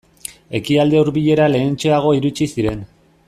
Ekialde Hurbilera lehentxeago iritsi ziren.